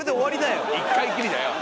一回きりだよ。